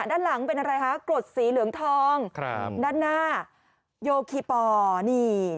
ด้านหลังเป็นอะไรคะกรดสีเหลืองทองครับด้านหน้าโยคีปอร์นี่